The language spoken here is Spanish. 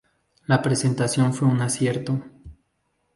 La presentación fue un acierto.